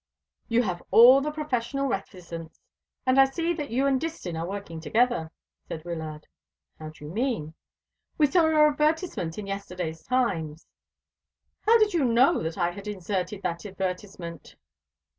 "You have all the professional reticence. And I see that you and Distin are working together," said Wyllard. "How do you mean?" "We saw your advertisement in yesterday's Times". "How did you know that I had inserted that advertisement?"